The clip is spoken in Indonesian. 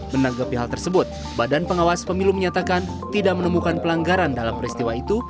menanggapi hal tersebut badan pengawas pemilu menyatakan tidak menemukan pelanggaran dalam peristiwa itu